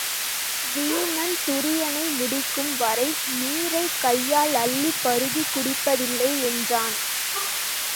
வீமன் துரியனை முடிக்கும் வரை நீரைக் கையால் அள்ளிப் பருகிக் குடிப்பதில்லை என்றான்.